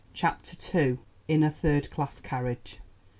CHAPTER II IN A THIRD CLASS CARRIAGE.